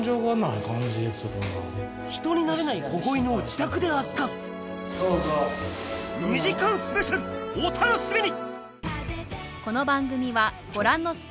人になれない保護犬を自宅で預かる２時間スペシャルお楽しみに！